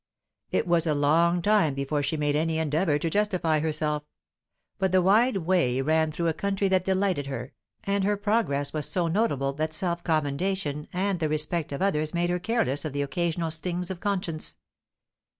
It was a long time before she made any endeavour to justify herself; but the wide way ran through a country that delighted her, and her progress was so notable that self commendation and the respect of others made her careless of the occasional stings of conscience.